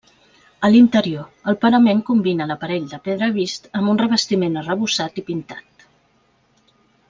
A l'interior, el parament combina l'aparell de pedra vist amb un revestiment arrebossat i pintat.